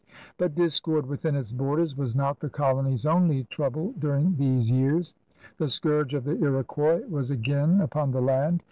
" But discord within its borders was not the colony*s only trouble during these years. The scourge of the Iroquois was again upon the land.